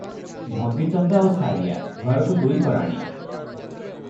ଭଗିଚନ୍ଦ ଆଉ ସାରିଆ, ଘରକୁ ଦୁଇ ପରାଣୀ ।